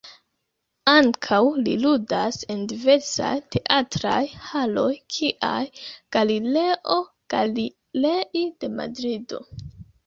Ankaŭ li ludas en diversaj teatraj haloj kiaj Galileo Galilei de Madrido.